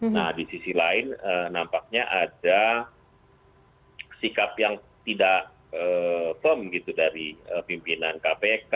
nah di sisi lain nampaknya ada sikap yang tidak firm gitu dari pimpinan kpk